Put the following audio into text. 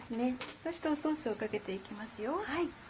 そしてソースをかけて行きますよ。